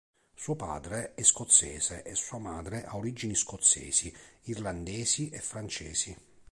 Suo padre è scozzese e sua madre ha origini scozzesi, irlandesi e francesi.